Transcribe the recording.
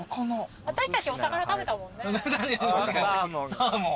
サーモン。